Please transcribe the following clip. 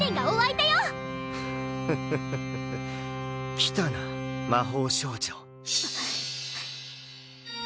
来たな魔法少女。